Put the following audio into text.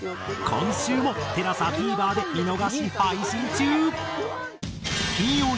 今週もＴＥＬＡＳＡＴＶｅｒで見逃し配信中！